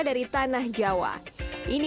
dari tanah jawa ini